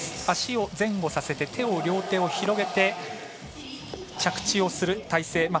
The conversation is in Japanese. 足を前後させて両手を広げて、着地をする体勢。